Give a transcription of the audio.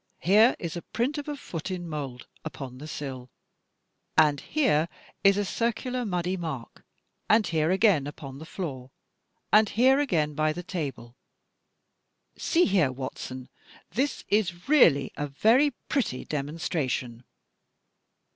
Here is a print of a foot in mould upon the sill. And here is a circular muddy mark, and here again upon the floor, and here again by the table. See here, Watson! This is really a very pretty demonstration."